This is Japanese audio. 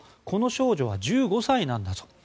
この少女は１５歳なんだぞ。